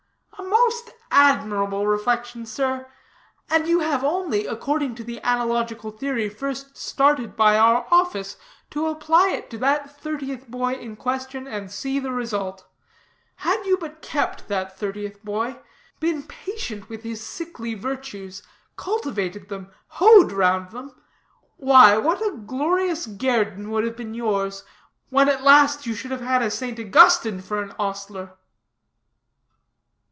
"A most admirable reflection, sir, and you have only, according to the analogical theory first started by our office, to apply it to that thirtieth boy in question, and see the result. Had you but kept that thirtieth boy been patient with his sickly virtues, cultivated them, hoed round them, why what a glorious guerdon would have been yours, when at last you should have had a St. Augustine for an ostler."